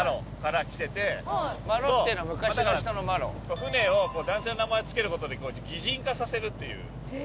船を男性の名前を付けることで擬人化させるという。